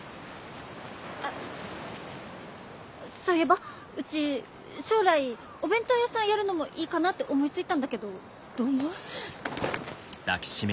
あっそういえばうち将来お弁当屋さんやるのもいいかなって思いついたんだけどどう思う？